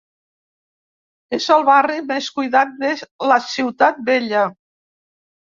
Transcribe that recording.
És el barri més cuidat de la Ciutat Vella.